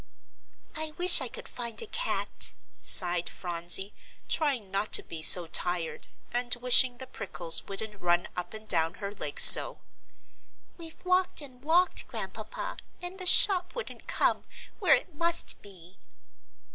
"I wish I could find a cat," sighed Phronsie, trying not to be so tired, and wishing the prickles wouldn't run up and down her legs so. "We've walked and walked, Grandpapa, and the shop wouldn't come, where it must be."